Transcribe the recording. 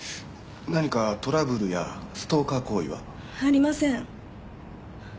何かトラブルやストーカー行為は？ありません。